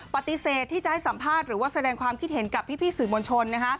ปฏิเสธที่จะให้สัมภาษณ์หรือว่าแสดงความคิดเห็นกับพี่สื่อมวลชน